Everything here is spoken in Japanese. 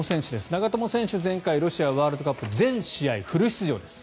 長友選手、前回ロシアワールドカップ全試合フル出場です。